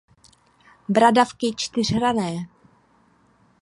Bradavky čtyřhranné.